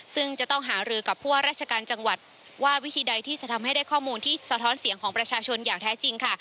ซึ่งจะต้องหารือกับผู้ว่าราชการจังหวัดว่าวิธีใดที่จะทำให้ได้ข้อมูลที่สะท้อนเสียงของประชาชนอย่างแท้จริงค่ะ